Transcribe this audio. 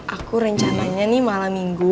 aku rencananya nih malam minggu